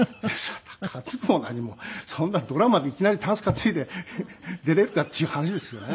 担ぐも何もそんなドラマでいきなりたんす担いで出れるかっていう話ですよね。